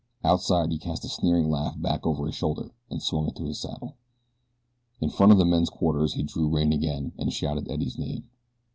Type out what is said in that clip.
Outside he cast a sneering laugh back over his shoulder and swung into his saddle. In front of the men's quarters he drew rein again and shouted Eddie's name.